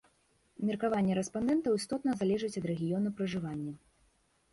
Меркаванне рэспандэнтаў істотна залежыць ад рэгіёна пражывання.